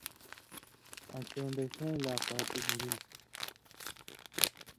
آں چؤن٘دشَیں لا پاتُو گُھرِل۔